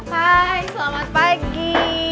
hai selamat pagi